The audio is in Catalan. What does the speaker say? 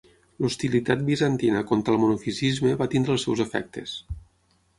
L'hostilitat bizantina contra el monofisisme va tenir els seus efectes.